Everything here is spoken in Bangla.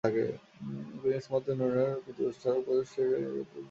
তিনি ইসমত ইনোনুর উপদেষ্টা হিসেবে তুর্কি প্রতিনিধিদলের সদস্য ছিলেন।